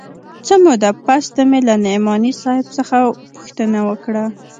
څه موده پس ته مې له نعماني صاحب څخه پوښتنه وکړه.